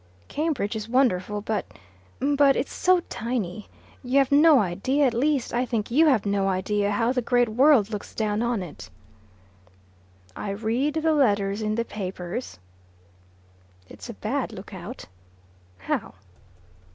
"Cambridge is wonderful, but but it's so tiny. You have no idea at least, I think you have no idea how the great world looks down on it." "I read the letters in the papers." "It's a bad look out." "How?"